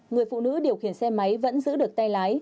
người phụ nữ điều khiển xe máy vẫn giữ được tay lái